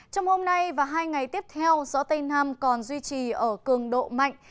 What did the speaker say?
trong hôm nay và hai ngày tiếp theo gió tây nam còn duy trì ở cường độ mạnh